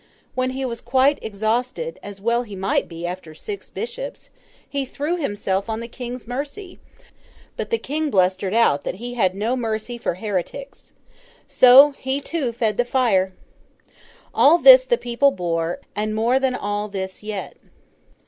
When he was quite exhausted (as well he might be, after six bishops), he threw himself on the King's mercy; but the King blustered out that he had no mercy for heretics. So, he too fed the fire. All this the people bore, and more than all this yet.